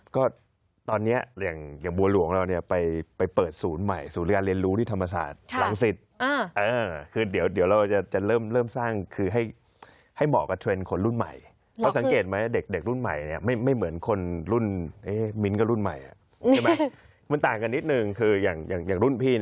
ก็ตอนนี้อย่างบัวหลวงเราเนี่ยไปเปิดศูนย์ใหม่ศูนย์ที่เรียนรู้ที่ธภาษาหลังสิทธิ์